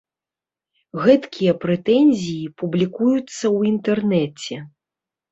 Гэткія прэтэнзіі публікуюцца ў інтэрнэце.